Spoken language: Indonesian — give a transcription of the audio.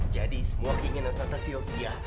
jadi semua keinginan tante sylvia